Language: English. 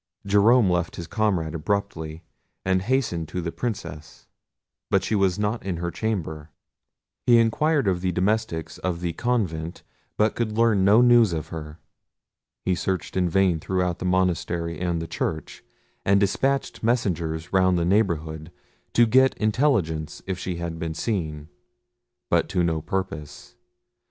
Jerome left his comrade abruptly, and hastened to the Princess, but she was not in her chamber. He inquired of the domestics of the convent, but could learn no news of her. He searched in vain throughout the monastery and the church, and despatched messengers round the neighbourhood, to get intelligence if she had been seen; but to no purpose.